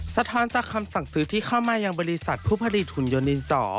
สะท้อนจากคำสั่งซื้อที่เข้ามายังบริษัทผู้ผลิตหุ่นยนดินสอ